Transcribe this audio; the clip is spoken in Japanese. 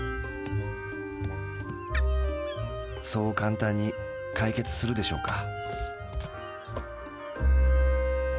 そう簡単に解決するでしょうか。